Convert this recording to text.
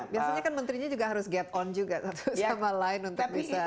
biasanya kan menterinya juga harus get on juga satu sama lain untuk bisa